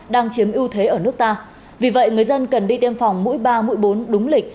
đang chiếm ưu thế ở nước ta vì vậy người dân cần đi tiêm phòng mũi ba mũi bốn đúng lịch